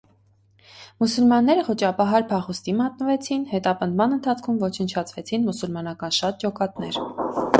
Մուսուլմանները խուճապահար փախուստի մատնվեցին, հետապնդման ընթացքում ոչնչացվեցին մուսուլմանական շատ ջոկատներ։